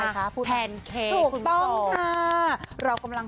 คุณซอง